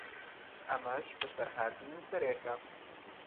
ئەمەش بەسەرهاتی نووسەرێکە